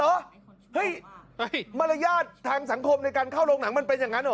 เฮ้ยมารยาททางสังคมในการเข้าโรงหนังมันเป็นอย่างนั้นเหรอ